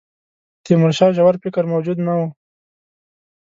تیمورشاه ژور فکر موجود نه وو.